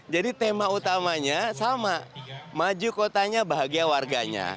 jadi tema utamanya sama maju kotanya bahagia warganya